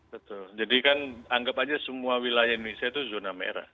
betul jadi kan anggap aja semua wilayah indonesia itu zona merah